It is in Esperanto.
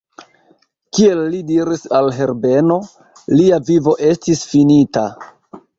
Kiel li diris al Herbeno, lia vivo estis finita.